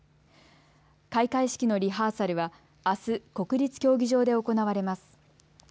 開会式のリハーサルはあす国立競技場で行われます。